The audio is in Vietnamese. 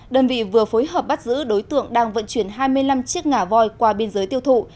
đơn vị vừa phối hợp bắt giữ đối tượng đang vận chuyển hai mươi năm chiếc ngả voi qua biên giới tiêu thụ